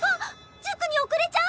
塾におくれちゃう！